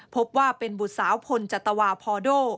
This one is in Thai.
พบว่าเป็นบุตรสาวพลจัตวาพอโด